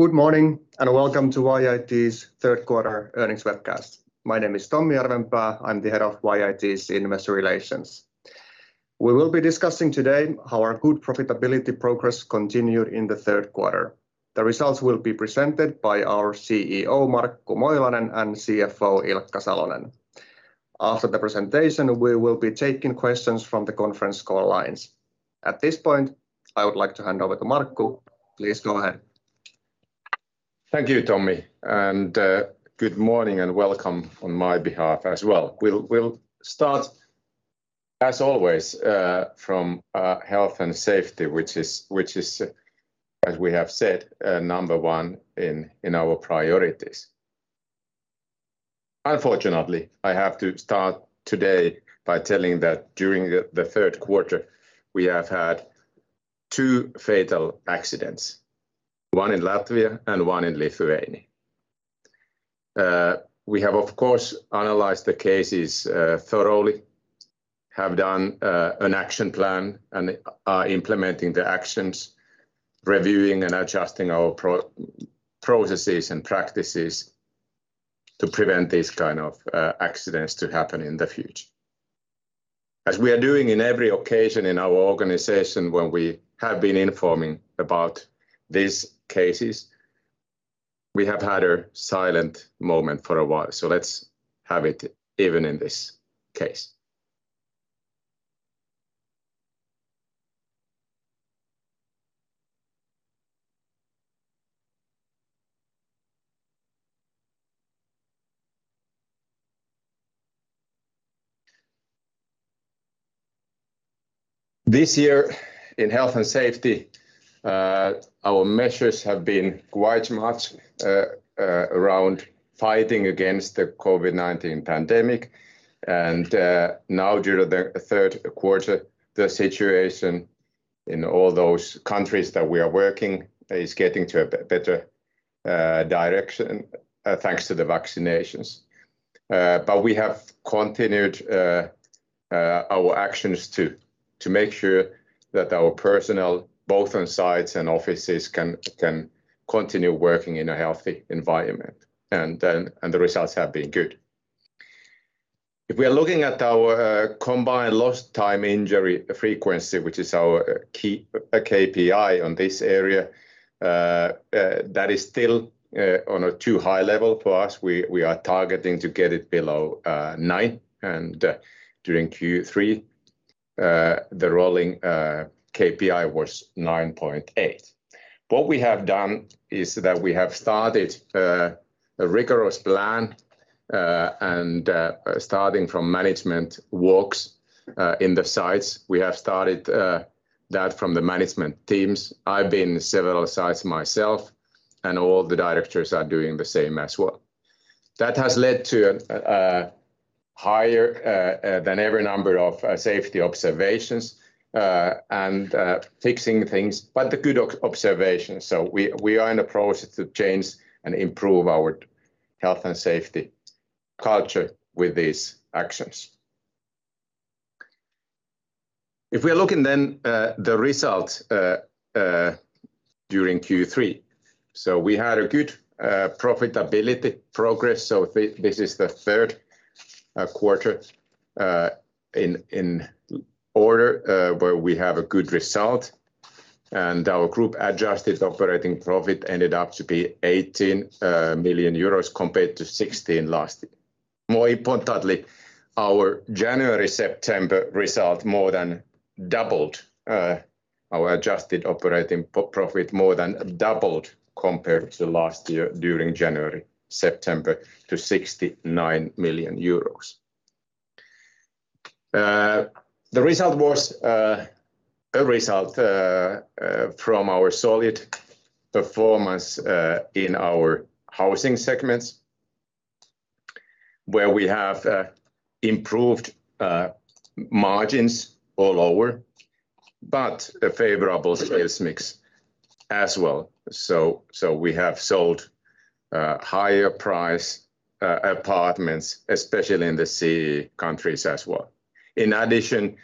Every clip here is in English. Good morning, and welcome to YIT's Third Quarter Earnings Webcast. My name is Tommi Järvenpää. I'm the Head of YIT's Investor Relations. We will be discussing today how our good profitability progress continued in the third quarter. The results will be presented by our CEO, Markku Moilanen, and CFO, Ilkka Salonen. After the presentation, we will be taking questions from the conference call lines. At this point, I would like to hand over to Markku. Please go ahead. Thank you, Tommi, and good morning and welcome on my behalf as well. We'll start, as always, from health and safety, which is, as we have said, number one in our priorities. Unfortunately, I have to start today by telling that during the third quarter, we have had two fatal accidents, one in Latvia and one in Lithuania. We have, of course, analyzed the cases thoroughly, have done an action plan and are implementing the actions, reviewing and adjusting our processes and practices to prevent these kind of accidents to happen in the future. As we are doing in every occasion in our organization, when we have been informing about these cases, we have had a silent moment for a while. Let's have it even in this case. This year in health and safety, our measures have been quite much around fighting against the COVID-19 pandemic and, now during the third quarter, the situation in all those countries that we are working is getting to a better direction, thanks to the vaccinations. But we have continued our actions to make sure that our personnel, both on sites and offices, can continue working in a healthy environment. The results have been good. If we are looking at our combined lost time injury frequency, which is our key KPI on this area, that is still on a too high level for us. We are targeting to get it below 9 and during Q3, the rolling KPI was 9.8. What we have done is that we have started a rigorous plan, and starting from management walks in the sites. We have started that from the management teams. I've been to several sites myself and all the directors are doing the same as well. That has led to a higher than ever number of safety observations and fixing things, but the good observation. We are in a process to change and improve our health and safety culture with these actions. If we are looking then at the results during Q3, we had a good profitability progress. This is the third quarter in order where we have a good result. Our group-adjusted operating profit ended up to be 18 million euros compared to 16 million last year. More importantly, our January-September result more than doubled, our adjusted operating profit more than doubled compared to last year during January-September to 69 million euros. The result was from our solid performance in our housing segments, where we have improved margins overall, but a favorable sales mix as well. We have sold higher price apartments, especially in the CEE countries as well. In addition,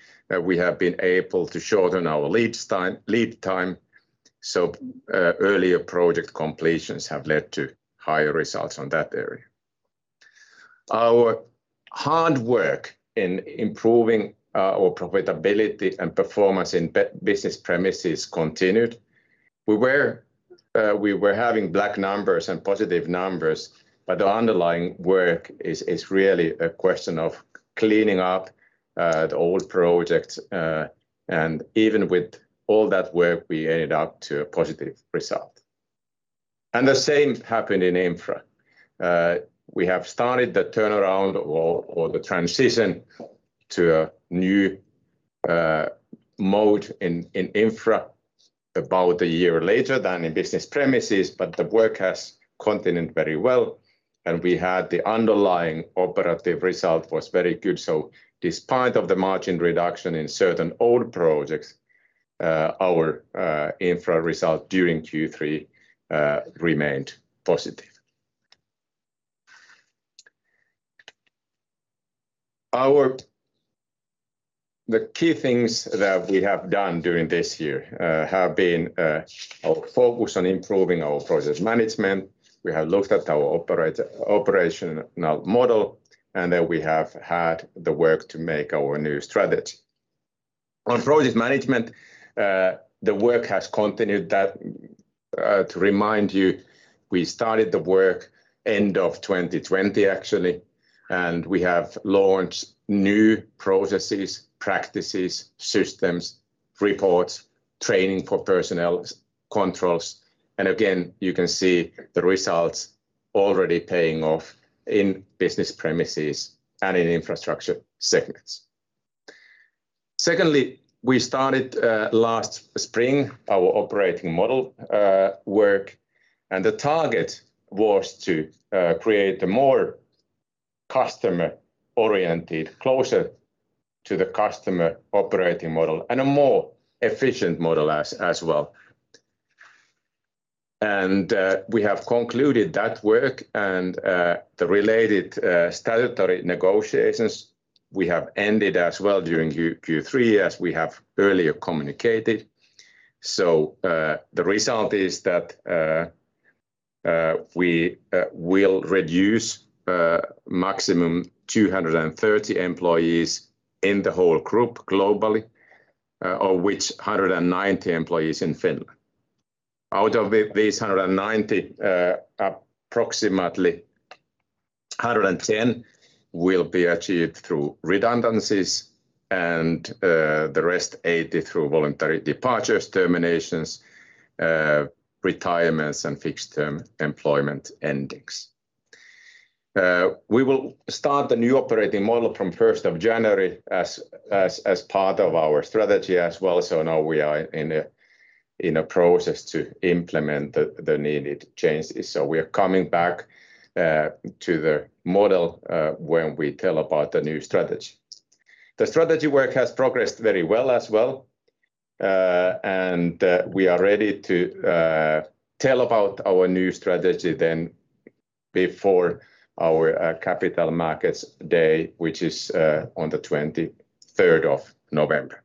we have been able to shorten our lead time, earlier project completions have led to higher results in that area. Our hard work in improving our profitability and performance in Business Premises continued. We were having black numbers and positive numbers, but the underlying work is really a question of cleaning up the old projects. Even with all that work, we ended up to a positive result. The same happened in Infra. We have started the turnaround or the transition to a new mode in Infra about a year later than in Business Premises, but the work has continued very well. We had the underlying operating result was very good. Despite of the margin reduction in certain old projects, our Infra result during Q3 remained positive. The key things that we have done during this year have been our focus on improving our process management. We have looked at our operational model, and then we have had the work to make our new strategy. On project management, the work has continued that, to remind you, we started the work end of 2020 actually, and we have launched new processes, practices, systems, reports, training for personnels, controls. Again, you can see the results already paying off in Business Premises and in Infrastructure segments. Secondly, we started last spring our operating model work, and the target was to create a more customer-oriented, closer to the customer operating model and a more efficient model as well. We have concluded that work and the related statutory negotiations we have ended as well during Q3 as we have earlier communicated. The result is that we will reduce maximum 230 employees in the whole group globally, of which 190 employees in Finland. Out of these 190, approximately 110 will be achieved through redundancies and the rest 80 through voluntary departures, terminations, retirements, and fixed-term employment endings. We will start the new operating model from January 1 as part of our strategy as well. Now we are in a process to implement the needed changes. We are coming back to the model when we tell about the new strategy. The strategy work has progressed very well as well. We are ready to tell about our new strategy then before our Capital Markets Day, which is on the 23rd of November.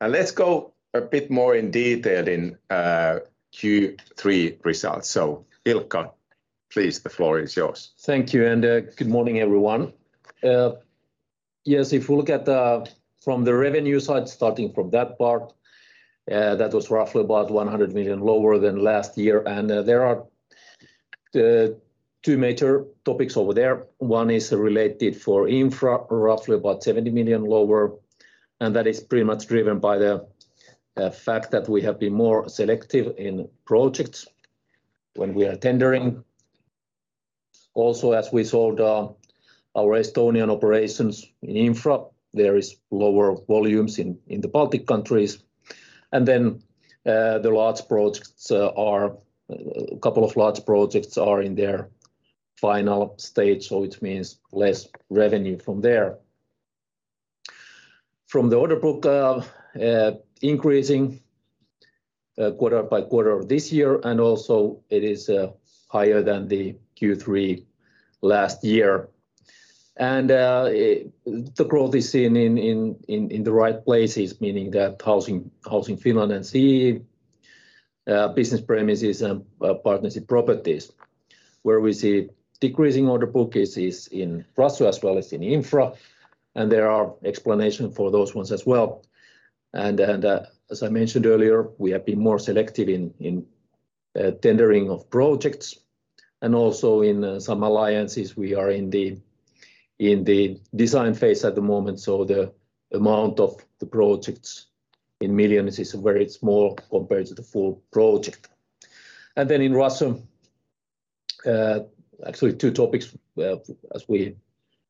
Let's go a bit more in detail in Q3 results. Ilkka, please, the floor is yours. Thank you. Good morning, everyone. Yes, if we look at from the revenue side, starting from that part, that was roughly about 100 million lower than last year. There are the two major topics over there. One is related for Infra, roughly about 70 million lower, and that is pretty much driven by the fact that we have been more selective in projects when we are tendering. Also, as we sold our Estonian operations in Infra, there is lower volumes in the Baltic countries. A couple of large projects are in their final stage. It means less revenue from there. From the order book increasing quarter-by-quarter this year, and also it is higher than the Q3 last year. The growth is seen in the right places, meaning that housing, Housing Finland and CEE, Business Premises and Partnership Properties. Where we see decreasing order book is in Russia as well as in Infra, and there are explanations for those ones as well. As I mentioned earlier, we have been more selective in tendering of projects. Also in some alliances we are in the design phase at the moment, so the amount of the projects in millions is very small compared to the full project. In Russia, actually two topics. Well, as we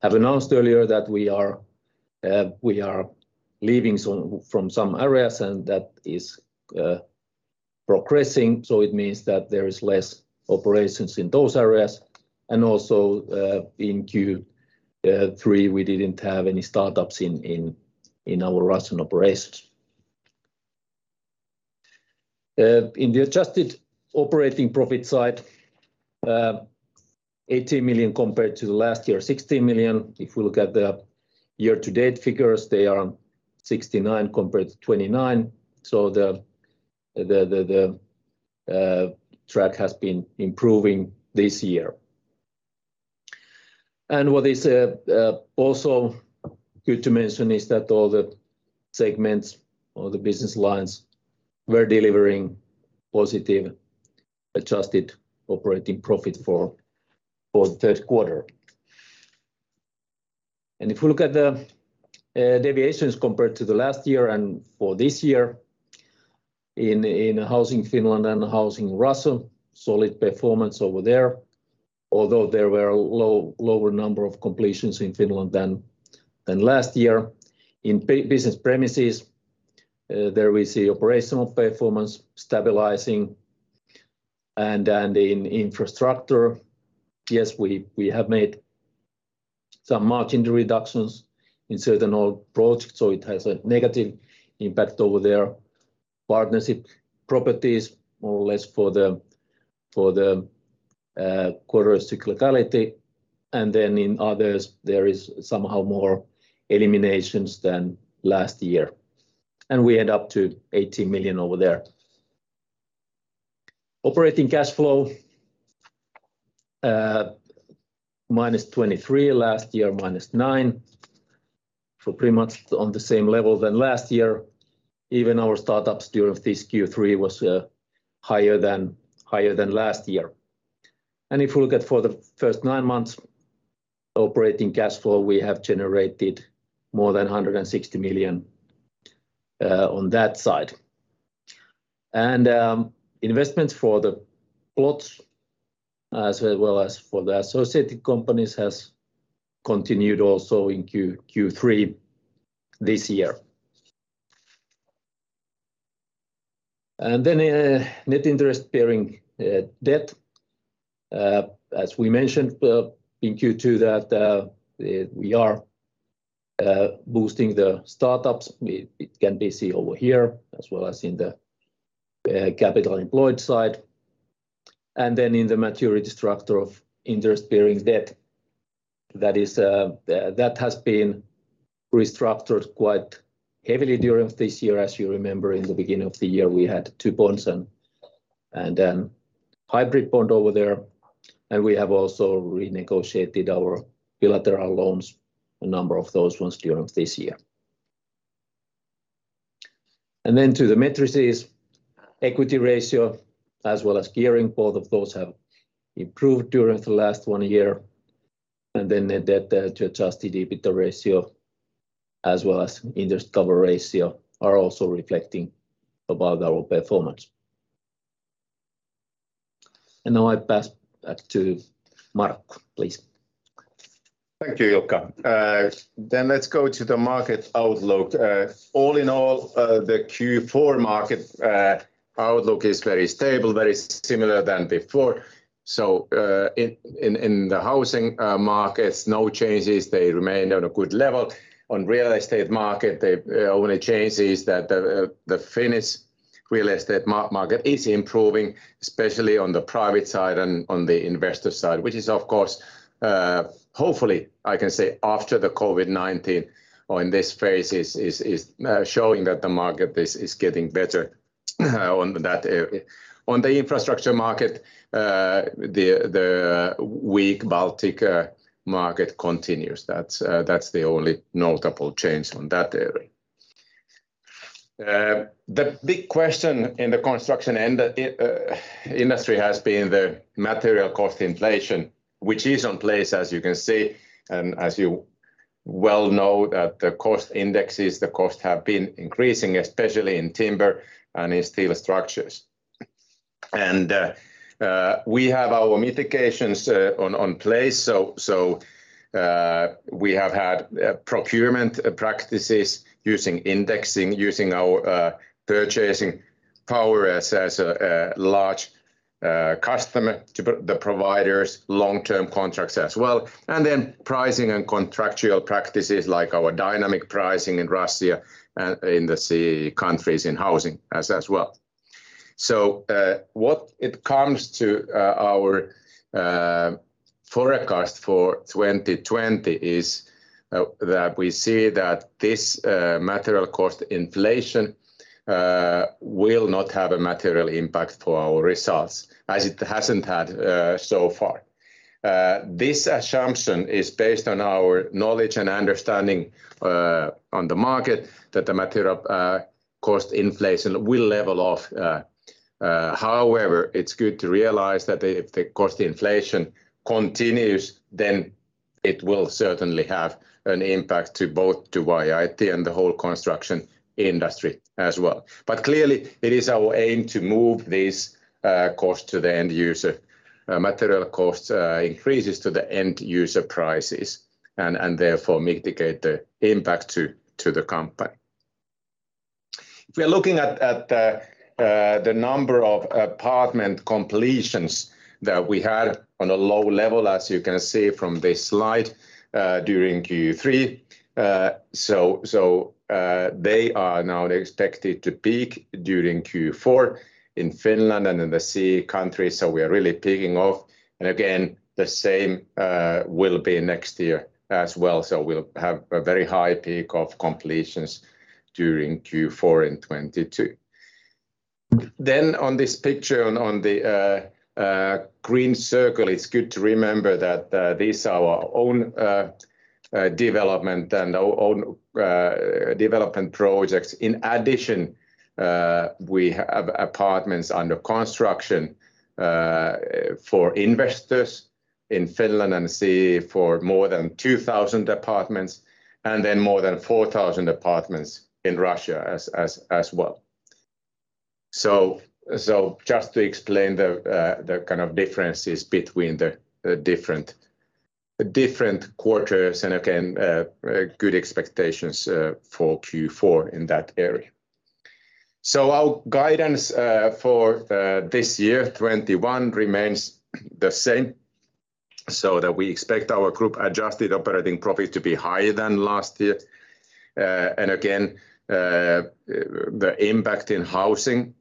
have announced earlier that we are leaving from some areas and that is progressing, so it means that there is less operations in those areas. In Q3, we didn't have any startups in our Russian operations. In the adjusted operating profit side, 80 million compared to last year's 60 million. If we look at the year-to-date figures, they are 69 compared to 29. The track has been improving this year. What is also good to mention is that all the segments, all the business lines were delivering positive adjusted operating profit for the third quarter. If you look at the deviations compared to last year and for this year in Housing Finland and Housing Russia, solid performance over there. Although there were lower number of completions in Finland than last year. In Business Premises, there we see operational performance stabilizing. In Infrastructure, we have made some margin reductions in certain old projects, so it has a negative impact over there. Partnership Properties more or less for the quarter cyclicality. In others, there is somehow more eliminations than last year, and we end up to 18 million over there. Operating cash flow -23 million. Last year, -9 million. Pretty much on the same level than last year. Even our startups during this Q3 was higher than last year. If we look at for the first nine months operating cash flow, we have generated more than 160 million on that side. Investments for the plots as well as for the associated companies has continued also in Q3 this year. Net interest-bearing debt, as we mentioned, in Q2 that we are boosting the startups. It can be seen over here as well as in the capital employed side. In the maturity structure of interest-bearing debt, that has been restructured quite heavily during this year. As you remember, in the beginning of the year, we had two bonds and then hybrid bond over there. We have also renegotiated our bilateral loans, a number of those ones during this year. To the metrics equity ratio as well as gearing, both of those have improved during the last one year. The debt-to-adjusted EBITDA ratio as well as interest cover ratio are also reflecting above our performance. Now I pass back to Mark, please. Thank you, Ilkka. Let's go to the market outlook. All in all, the Q4 market outlook is very stable, very similar than before. In the housing markets, no changes, they remain on a good level. On real estate market, the only change is that the Finnish real estate market is improving, especially on the private side and on the investor side, which is of course, hopefully I can say after the COVID-19 or in this phase showing that the market is getting better on that area. On the Infrastructure market, the weak Baltic market continues. That's the only notable change on that area. The big question in the construction and the industry has been the material cost inflation, which is in place, as you can see. As you well know that the cost indexes, the costs have been increasing, especially in timber and in steel structures. We have our mitigations in place. We have had procurement practices using indexing, using our purchasing power as a large customer to the providers long-term contracts as well, and then pricing and contractual practices like our dynamic pricing in Russia and in the CEE countries in Housing as well. What it comes to our forecast for 2020 is that we see that this material cost inflation will not have a material impact for our results, as it hasn't had so far. This assumption is based on our knowledge and understanding on the market that the material cost inflation will level off. However, it's good to realize that if the cost inflation continues, then it will certainly have an impact to both YIT and the whole construction industry as well. Clearly it is our aim to move this cost to the end user material cost increases to the end user prices and therefore mitigate the impact to the company. If we are looking at the number of apartment completions that we had on a low level, as you can see from this slide, during Q3. They are now expected to peak during Q4 in Finland and in the CEE countries. We are really peaking off. Again, the same will be next year as well. We'll have a very high peak of completions during Q4 2022. On this picture, on the green circle, it's good to remember that these are our own development projects. In addition, we have apartments under construction for investors in Finland and CEE for more than 2,000 apartments and then more than 4,000 apartments in Russia as well. Just to explain the kind of differences between the different quarters and good expectations for Q4 in that area. Our guidance for this year 2021 remains the same, that we expect our group adjusted operating profit to be higher than last year. The impact in Housing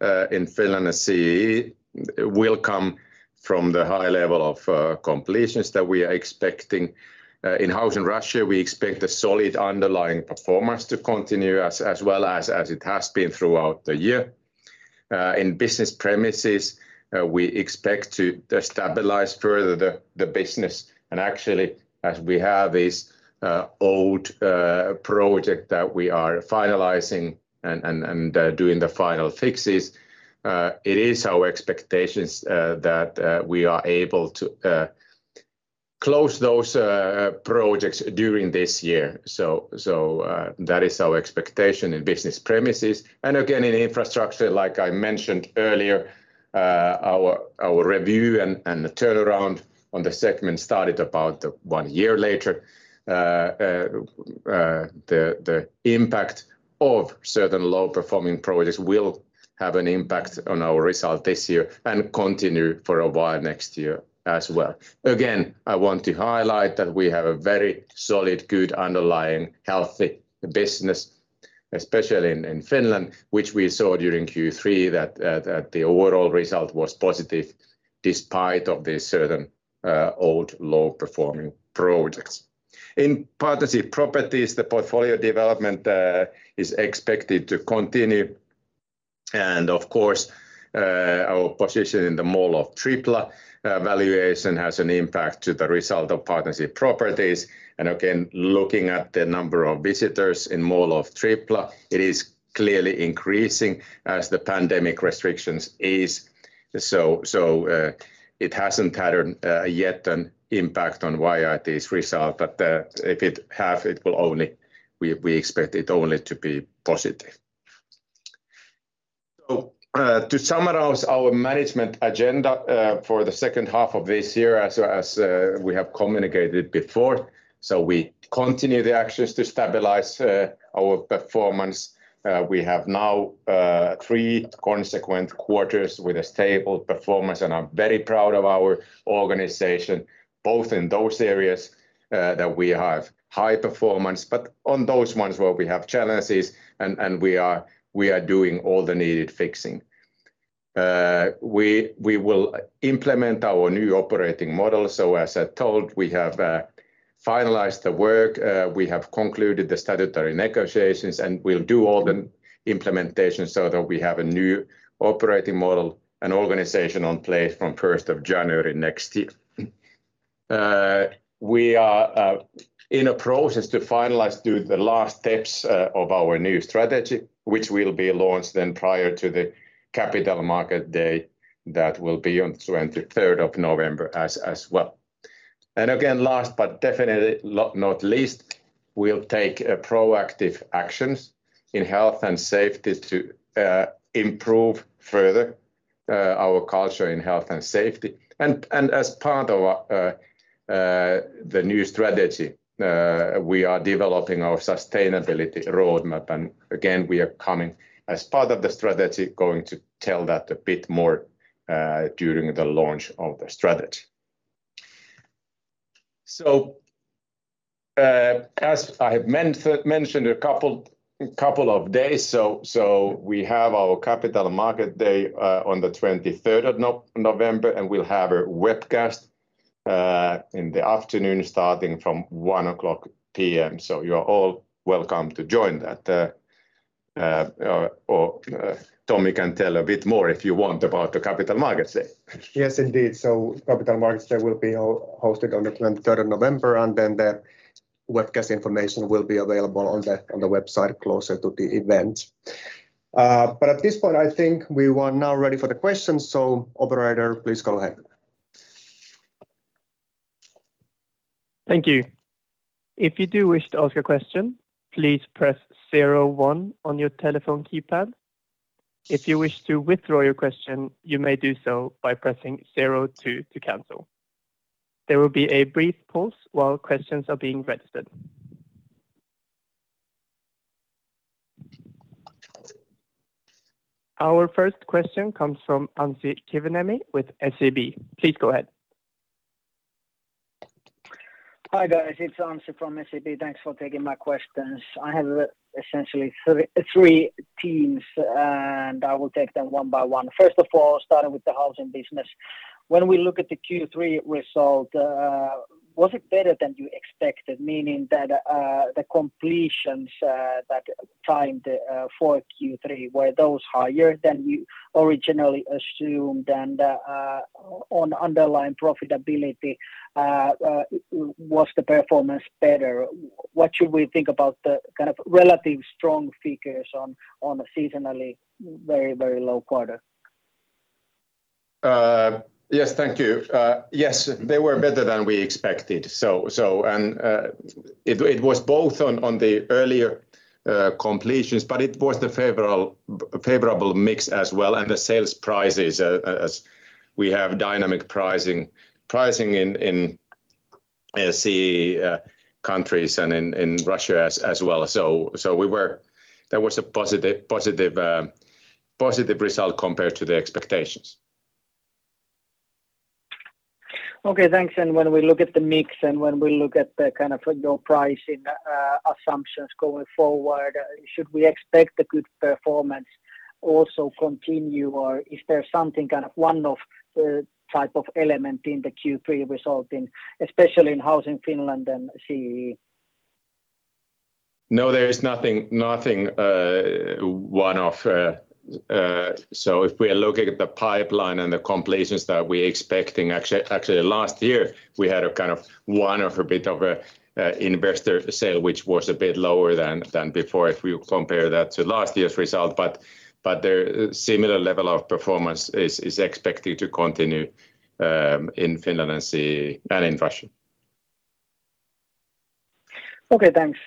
Finland and CEE will come from the high level of completions that we are expecting. In Housing Russia, we expect a solid underlying performance to continue as well as it has been throughout the year. In Business Premises, we expect to stabilize further the business. Actually, as we have this old project that we are finalizing and doing the final fixes, it is our expectations that we are able to close those projects during this year. That is our expectation in Business Premises. In Infrastructure, like I mentioned earlier, our review and the turnaround on the segment started about one year later. The impact of certain low-performing projects will have an impact on our result this year and continue for a while next year as well. Again, I want to highlight that we have a very solid, good underlying healthy business, especially in Finland, which we saw during Q3 that the overall result was positive despite of the certain old low-performing projects. In Partnership Properties, the portfolio development is expected to continue. Of course, our position in the Mall of Tripla valuation has an impact to the result of Partnership Properties. Again, looking at the number of visitors in Mall of Tripla, it is clearly increasing as the pandemic restrictions ease. It hasn't had yet an impact on YIT's result, but if it have, it will only... We expect it only to be positive. To summarize our management agenda for the second half of this year, as we have communicated before, we continue the actions to stabilize our performance. We have now three consecutive quarters with a stable performance, and I'm very proud of our organization, both in those areas that we have high performance, but on those ones where we have challenges and we are doing all the needed fixing. We will implement our new operating model. As I told, we have finalized the work, we have concluded the statutory negotiations, and we'll do all the implementation so that we have a new operating model and organization in place from 1st of January next year. We are in a process to finalize the last steps of our new strategy, which will be launched then prior to the Capital Markets Day that will be on 23rd of November as well. Last but definitely not least, we'll take proactive actions in health and safety to improve further our culture in health and safety. As part of the new strategy, we are developing our sustainability roadmap. Again, we are, as part of the strategy, going to tell that a bit more during the launch of the strategy. As I have mentioned a couple of days ago, we have our Capital Markets Day on the 23rd of November, and we'll have a webcast in the afternoon starting from 1:00 P.M. You're all welcome to join that, or Tommi can tell a bit more, if you want, about the Capital Markets Day. Yes, indeed. Capital Markets Day will be hosted on the 23rd of November, and then the webcast information will be available on the website closer to the event. At this point, I think we are now ready for the questions. Operator, please go ahead. Thank you. If you do wish to ask a question, please press zero one on your telephone keypad. If you wish to withdraw your question, you may do so by pressing zero two to cancel. There will be a brief pause while questions are being registered. Our first question comes from Anssi Kiviniemi with SEB. Please go ahead. Hi, guys. It's Anssi from SEB. Thanks for taking my questions. I have essentially three themes, and I will take them one by one. First of all, starting with the Housing business. When we look at the Q3 result, was it better than you expected? Meaning that, the completions that time for Q3, were those higher than you originally assumed? On underlying profitability, was the performance better? What should we think about the kind of relatively strong figures on a seasonally very, very low quarter? Yes, thank you. Yes, they were better than we expected. It was both on the earlier completions, but it was the favorable mix as well, and the sales prices, as we have dynamic pricing in CEE countries and in Russia as well. That was a positive result compared to the expectations. Okay, thanks. When we look at the mix and when we look at the kind of your pricing assumptions going forward, should we expect the good performance also continue or is there something kind of one-off type of element in the Q3 resulting especially in Housing Finland and CEE? No, there is nothing one-off. So if we are looking at the pipeline and the completions that we're expecting. Actually last year we had a kind of one-off a bit of a investor sale, which was a bit lower than before if we compare that to last year's result. Their similar level of performance is expected to continue in Finland and CEE and in Russia. Okay, thanks.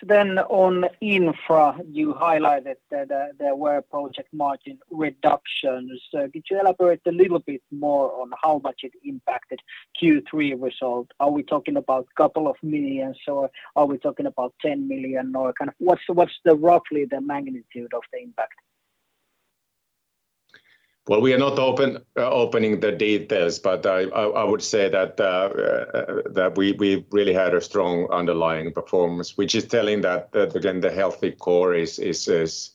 On Infra, you highlighted that there were project margin reductions. Could you elaborate a little bit more on how much it impacted Q3 result? Are we talking about a couple of million EUR or are we talking about 10 million? Or kind of what's roughly the magnitude of the impact? Well, we are not opening the details, but I would say that we really had a strong underlying performance, which is telling that again the healthy core is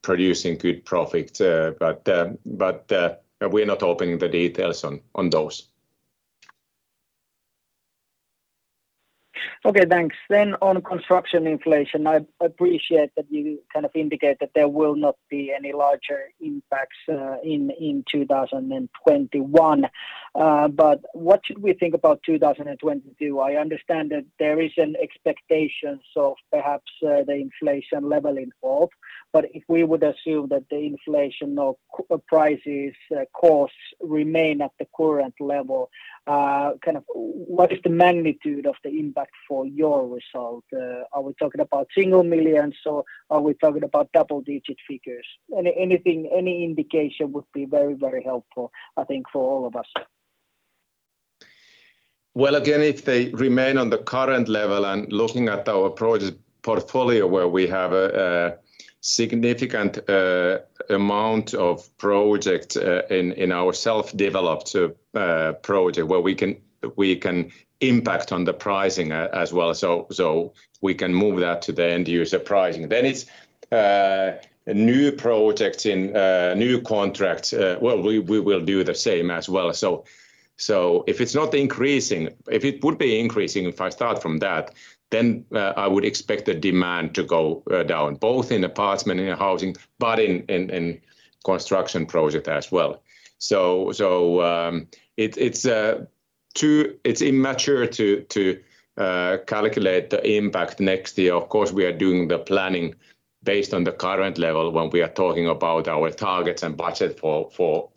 producing good profit. We're not opening the details on those. Okay, thanks. On construction inflation, I appreciate that you kind of indicate that there will not be any larger impacts in 2021. What should we think about 2022? I understand that there is an expectation, so perhaps the inflation level involved. If we would assume that the inflation of prices, costs remain at the current level, kind of what is the magnitude of the impact for your result? Are we talking about single millions or are we talking about double digit figures? Any indication would be very, very helpful, I think, for all of us. Well, again, if they remain on the current level and looking at our project portfolio where we have a significant amount of projects in our self-developed projects where we can impact on the pricing as well, so we can move that to the end user pricing. It's new projects in new contracts. Well, we will do the same as well. If it would be increasing, if I start from that, then I would expect the demand to go down, both in apartments, in housing, but in construction projects as well. It's too immature to calculate the impact next year. Of course, we are doing the planning based on the current level when we are talking about our targets and budget for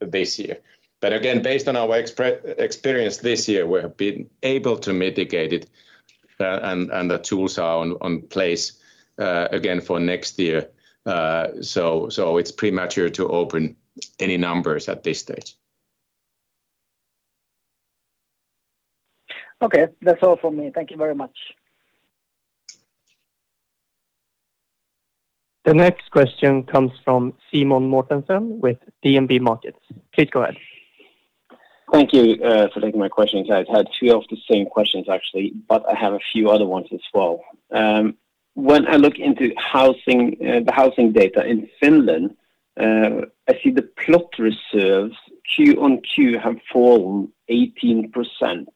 this year. Again, based on our experience this year, we have been able to mitigate it, and the tools are in place again for next year. It's premature to open any numbers at this stage. Okay. That's all for me. Thank you very much. The next question comes from Simen Mortensen with DNB Markets. Please go ahead. Thank you for taking my questions. I've had two of the same questions actually, but I have a few other ones as well. When I look into housing, the housing data in Finland, I see the plot reserves quarter-on-quarter have fallen 18%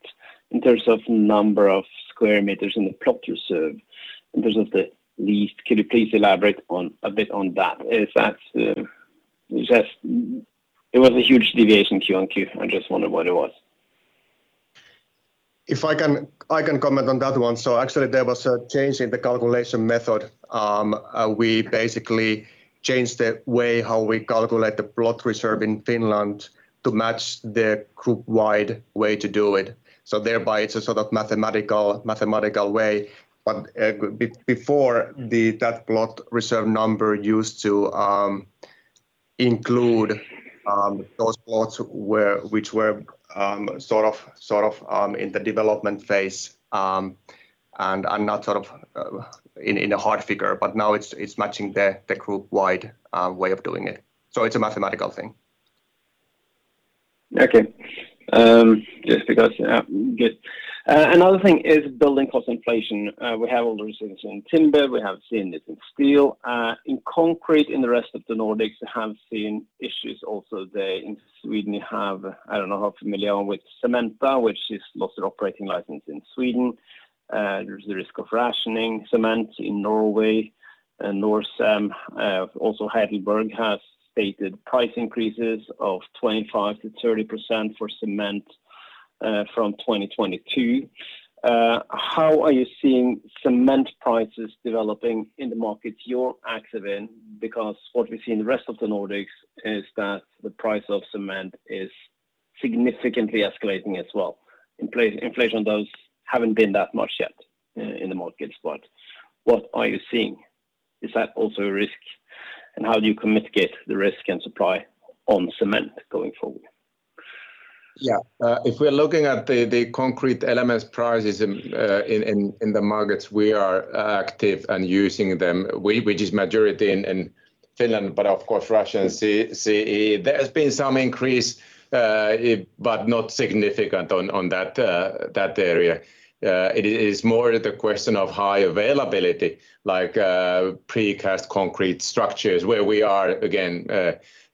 in terms of number of square meters in the plot reserve in terms of the lease. Can you please elaborate on a bit on that? Is that. It was a huge deviation quarter-on-quarter. I just wondered what it was. I can comment on that one. Actually there was a change in the calculation method. We basically changed the way how we calculate the plot reserve in Finland to match the group-wide way to do it. Thereby it's a sort of mathematical way. Before, that plot reserve number used to include those plots which were sort of in the development phase, and I'm not sure of the hard figure, but now it's matching the group-wide way of doing it. It's a mathematical thing. Okay. Another thing is building cost inflation. We have all the rises in timber. We have seen it in steel. In concrete. In the rest of the Nordics we have seen issues also there. In Sweden you have I don't know how familiar you are with Cementa, which has lost their operating license in Sweden. There's the risk of rationing cement in Norway and Norcem. Also HeidelbergCement has stated price increases of 25%-30% for cement from 2022. How are you seeing cement prices developing in the markets you're active in? Because what we see in the rest of the Nordics is that the price of cement is significantly escalating as well. Inflation doesn't have been that much yet in the markets, but what are you seeing? Is that also a risk? How do you mitigate the risk to supply of cement going forward? Yeah. If we're looking at the concrete elements prices in the markets we are active in and using them, which is majority in Finland, but of course Russia and CEE. There has been some increase, but not significant in that area. It is more the question of high availability, like, precast concrete structures where we are again,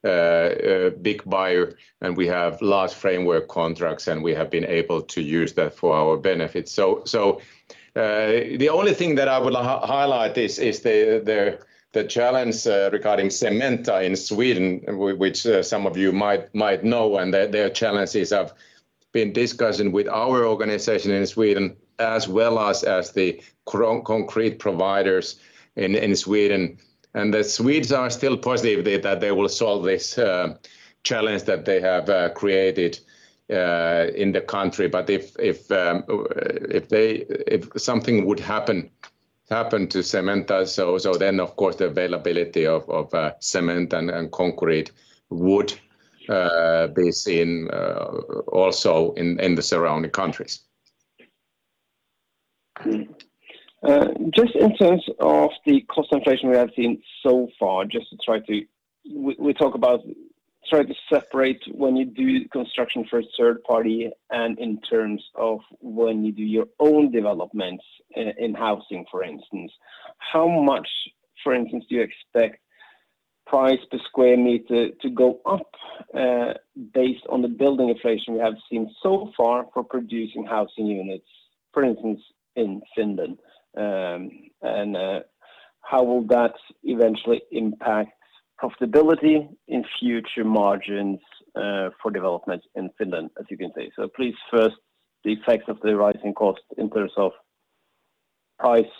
big buyer, and we have large framework contracts, and we have been able to use that for our benefit. The only thing that I would highlight is the challenge regarding Cementa in Sweden, which some of you might know, and their challenges have been discussed with our organization in Sweden as well as the concrete providers in Sweden. The Swedes are still positive that they will solve this challenge that they have created in the country. If something would happen to Cementa, so then of course, the availability of cement and concrete would be seen also in the surrounding countries. Just in terms of the cost inflation we have seen so far, we talk about try to separate when you do construction for a third party and in terms of when you do your own developments in housing, for instance. How much, for instance, do you expect price per square meter to go up, based on the building inflation we have seen so far for producing housing units, for instance, in Finland? How will that eventually impact profitability in future margins, for development in Finland, as you can see? Please, first, the effects of the rising cost in terms of price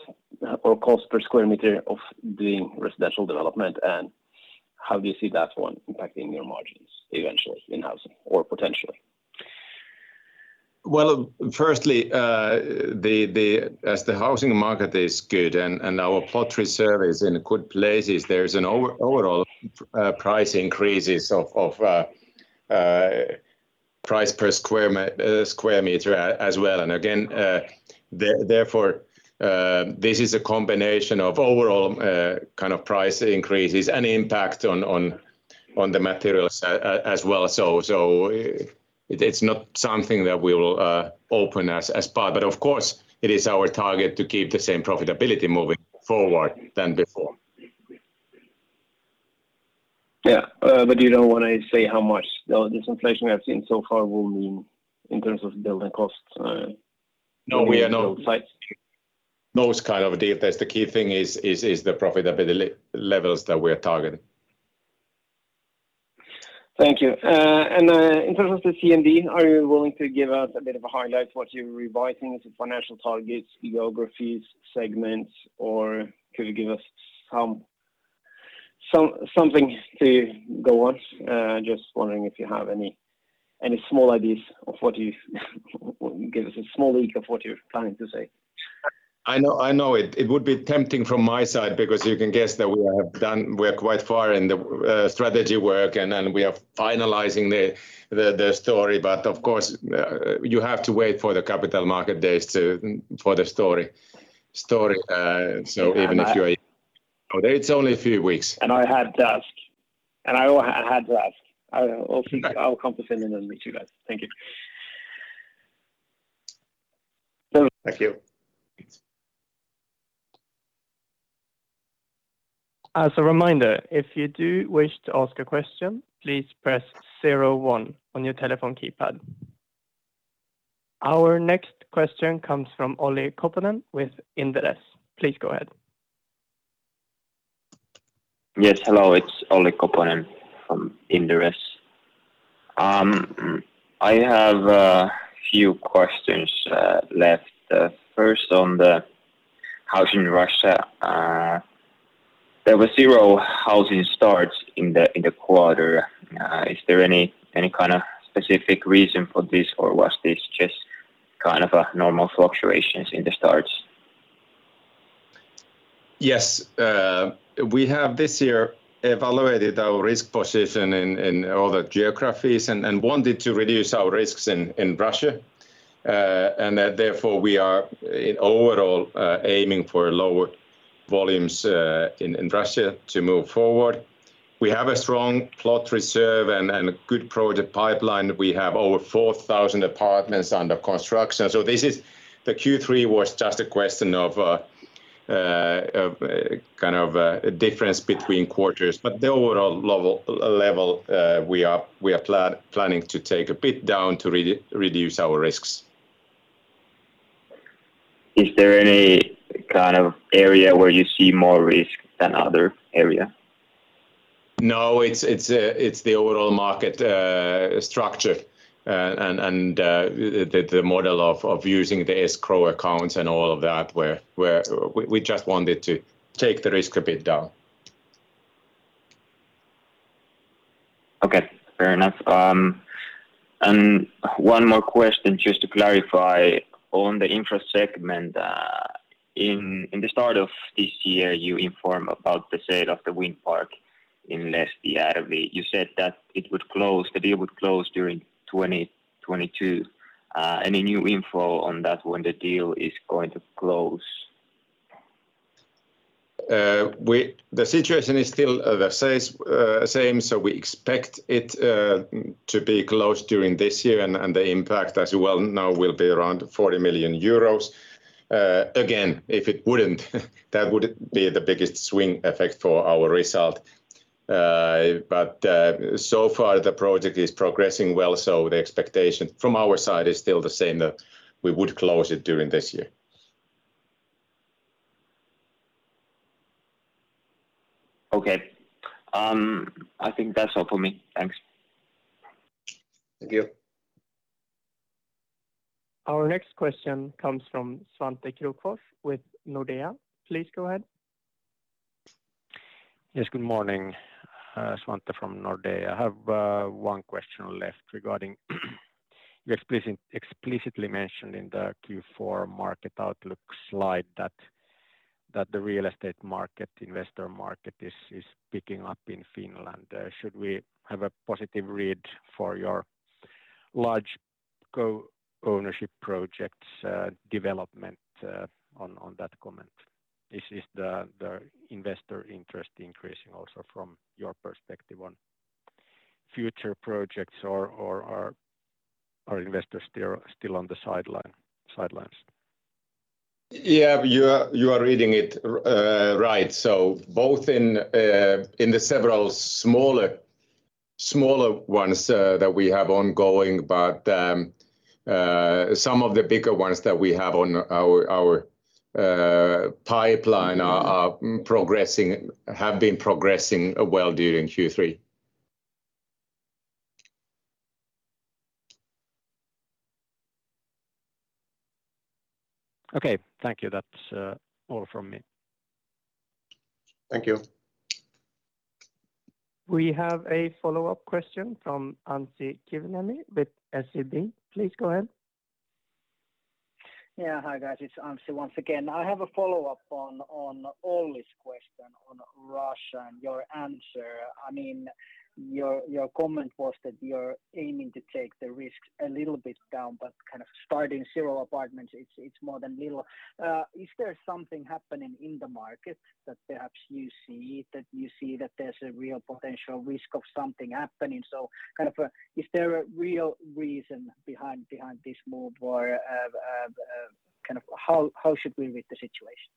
or cost per square meter of doing residential development, and how do you see that one impacting your margins eventually in housing or potentially? Well, firstly, as the housing market is good and our plot reserve is in good places, there's an overall price increases of price per square meter as well. Again, therefore, this is a combination of overall kind of price increases and impact on the materials as well. It's not something that we will open as part. Of course, it is our target to keep the same profitability moving forward than before. You don't wanna say how much the disinflation we have seen so far will mean in terms of building costs. No, we are no- -sites. Those kind of details, the key thing is the profitability levels that we are targeting. Thank you. In terms of the CMD, are you willing to give us a bit of a highlight what you're revising, the financial targets, geographies, segments, or could you give us something to go on? Just wondering if you have any small ideas. Give us a small leak of what you're planning to say. I know it would be tempting from my side because you can guess that we're quite far in the strategy work and we are finalizing the story. Of course, you have to wait for the Capital Market Day for the story. Even if you are- Yeah. It's only a few weeks. I had to ask. I'll compensate another meeting then. Thank you. Thank you. As a reminder, if you do wish to ask a question, please press 01 on your telephone keypad. Our next question comes from Olli Koponen with Inderes. Please go ahead. Yes. Hello. It's Olli Koponen from Inderes. I have a few questions left. First on the housing in Russia. There were zero housing starts in the quarter. Is there any kinda specific reason for this, or was this just kind of a normal fluctuation in the starts? Yes. We have this year evaluated our risk position in all the geographies and wanted to reduce our risks in Russia. Therefore, we are overall aiming for lower volumes in Russia to move forward. We have a strong plot reserve and a good project pipeline. We have over 4,000 apartments under construction. The Q3 was just a question of kind of a difference between quarters. The overall level we are planning to take a bit down to reduce our risks. Is there any kind of area where you see more risk than other area? No, it's the overall market structure and the model of using the escrow accounts and all of that where we just wanted to take the risk a bit down. Okay, fair enough. One more question just to clarify on the Infra segment. At the start of this year you informed about the sale of the wind park in Lehtirova. You said that the deal would close during 2022. Any new info on that when the deal is going to close? The situation is still the same, so we expect it to be closed during this year, and the impact, as you well know, will be around 40 million euros. Again, if it wouldn't, that would be the biggest swing effect for our result. The project is progressing well, so the expectation from our side is still the same that we would close it during this year. Okay. I think that's all for me. Thanks. Thank you. Our next question comes from Svante Krokfors with Nordea. Please go ahead. Yes, good morning. Svante from Nordea. I have one question left regarding your explicitly mentioned in the Q4 market outlook slide that the real estate market, investor market is picking up in Finland. Should we have a positive read for your large co-ownership projects development on that comment? Is the investor interest increasing also from your perspective on future projects or are investors still on the sidelines? Yeah. You are reading it right. Both in the several smaller ones that we have ongoing, but some of the bigger ones that we have on our pipeline have been progressing well during Q3. Okay. Thank you. That's all from me. Thank you. We have a follow-up question from Anssi Kiviniemi with SEB. Please go ahead. Yeah. Hi, guys. It's Anssi once again. I have a follow-up on Olli's question on Russia and your answer. I mean, your comment was that you're aiming to take the risks a little bit down, but kind of starting several apartments, it's more than little. Is there something happening in the market that perhaps you see that there's a real potential risk of something happening? Kind of, is there a real reason behind this move or kind of how should we read the situation?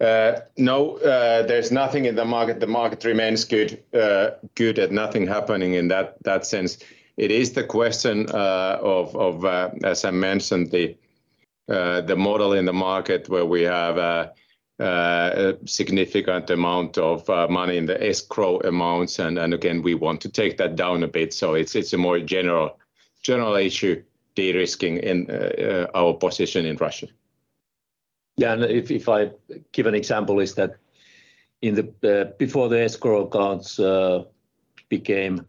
No, there's nothing in the market. The market remains good at nothing happening in that sense. It is the question of, as I mentioned, the model in the market where we have a significant amount of money in the escrow amounts and again, we want to take that down a bit. It's a more general issue de-risking in our position in Russia. Yeah. If I give an example is that before the escrow accounts became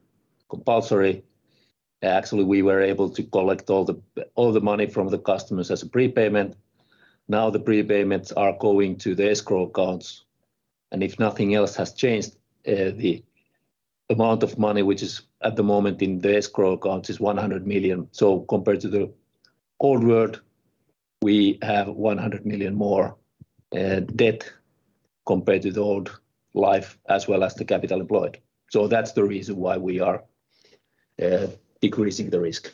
compulsory, actually, we were able to collect all the money from the customers as a prepayment. Now, the prepayments are going to the escrow accounts, and if nothing else has changed, the amount of money which is at the moment in the escrow accounts is 100 million. Compared to the old world, we have 100 million more debt compared to the old life as well as the capital employed. That's the reason why we are decreasing the risk.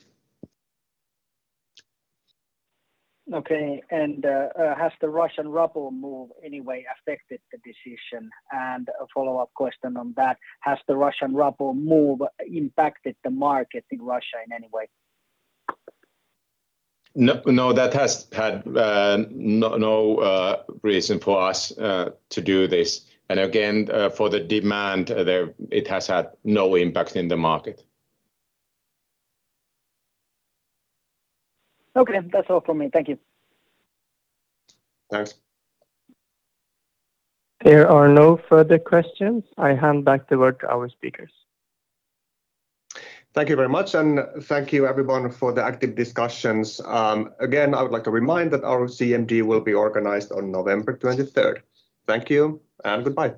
Okay. Has the Russian ruble move any way affected the decision? A follow-up question on that, has the Russian ruble move impacted the market in Russia in any way? No, that has had no reason for us to do this. Again, for the demand there, it has had no impact in the market. Okay. That's all from me. Thank you. Thanks. There are no further questions. I hand back the word to our speakers. Thank you very much, and thank you everyone for the active discussions. Again, I would like to remind that our CMD will be organized on November 23rd. Thank you and goodbye.